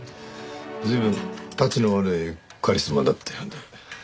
随分たちの悪いカリスマだったようで。